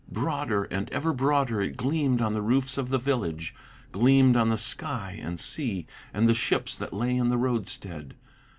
Broader and ever broader it gleamed on the roofs of the village, Gleamed on the sky and sea, and the ships that lay in the roadstead.